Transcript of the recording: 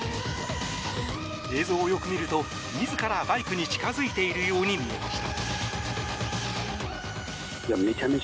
映像をよく見ると、自らバイクに近付いているように見えました。